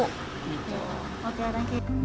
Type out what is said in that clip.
oke terima kasih